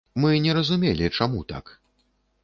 Мы не разумелі, чаму так.